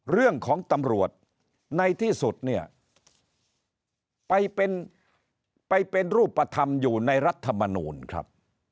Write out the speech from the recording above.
เรื่องของตำรวจในที่สุดเนี่ยไปเป็นไปเป็นรูปธรรมอยู่ในรัฐมนูลครับ